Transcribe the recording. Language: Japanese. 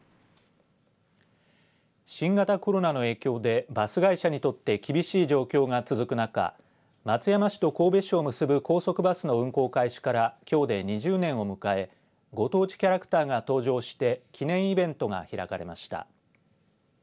新型コロナの影響でバス会社にとって厳しい状況が続く中松山市と神戸市を結ぶ高速バスの運行開始からきょうで２０年を迎えご当地キャラクターが登場して記念イベントが開かれました。